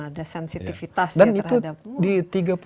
ada sensitivitas terhadap